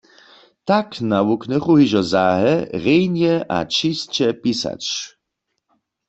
Tak nawuknychu hižo zahe, rjenje a čisće pisać.